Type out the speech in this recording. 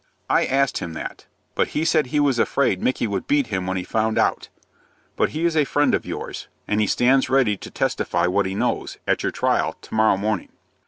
"I asked him that; but he said he was afraid Micky would beat him when he found out. But he is a friend of yours, and he stands ready to testify what he knows, at your trial, to morrow morning."